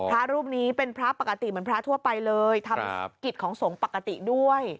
พระรูปนี้เป็นพระปกติเหมือนพระทั่วไปเลยทำกิจของสงฆ์ปกติด้วย